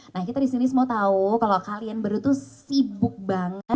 nah kita disini semua tahu kalau kalian berdua tuh sibuk banget